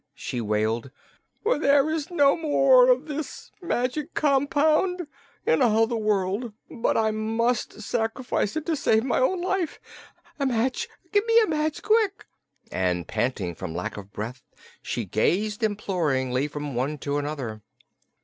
she wailed, "for there is no more of this magic compound in all the world. But I must sacrifice it to save my own life. A match! Give me a match, quick!" and panting from lack of breath she gazed imploringly from one to another.